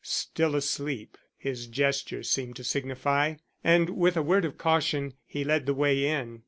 "Still asleep," his gesture seemed to signify; and with a word of caution he led the way in.